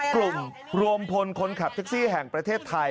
กลุ่มรวมพลคนขับแท็กซี่แห่งประเทศไทย